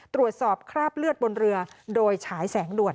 ตรวจสอบคราบเลือดบนเรือยาระดุลโดยฉายแสงด่วน